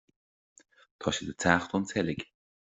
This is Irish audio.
tá siad ag teacht ón tseilg